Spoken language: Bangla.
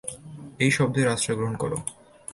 এই শব্দের আশ্রয় গ্রহণ কর।